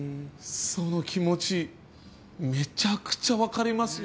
その気持ちめちゃくちゃ分かりますよ。